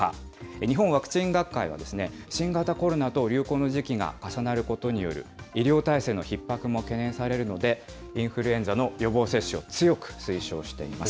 日本ワクチン学会は、新型コロナと流行の時期が重なることによる医療体制のひっ迫も懸念されるので、インフルエンザの予防接種を強く推奨しています。